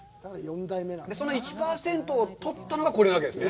その１％を取ったのがこれなわけですね。